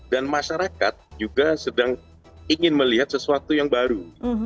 dan masyarakat juga sedang ingin melihat sesuatu yang baru